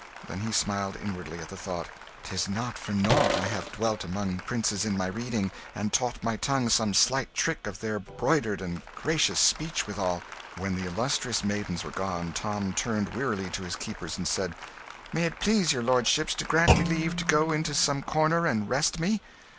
Then he smiled inwardly at the thought, "'Tis not for nought I have dwelt but among princes in my reading, and taught my tongue some slight trick of their broidered and gracious speech withal!" When the illustrious maidens were gone, Tom turned wearily to his keepers and said "May it please your lordships to grant me leave to go into some corner and rest me?"